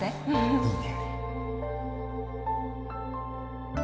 いいね